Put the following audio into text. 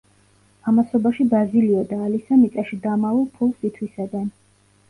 ამასობაში ბაზილიო და ალისა მიწაში დამალულ ფულს ითვისებენ.